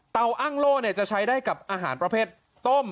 อ้างโล่จะใช้ได้กับอาหารประเภทต้ม